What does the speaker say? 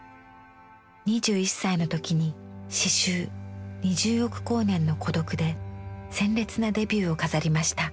２１歳の時に詩集「二十億光年の孤独」で鮮烈なデビューを飾りました。